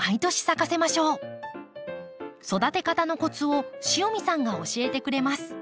育て方のコツを塩見さんが教えてくれます。